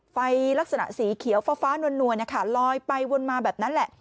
ไฟลักษณะสีเขียวฟ้านวลนะคะลอยไปวนมาแบบนั้นแหละ